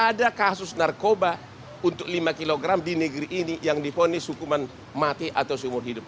ada kasus narkoba untuk lima kg di negeri ini yang difonis hukuman mati atau seumur hidup